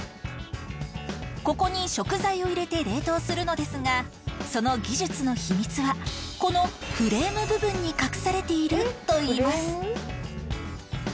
ここに食材を入れて冷凍するのですがその技術の秘密はこのフレーム部分に隠されているといいます